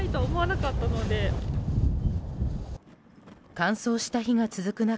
乾燥した日が続く中